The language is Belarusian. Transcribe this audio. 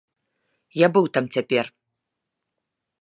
Я быў там цяпер.